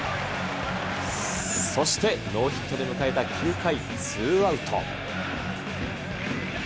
そしてノーヒットで迎えた９回ツーアウト。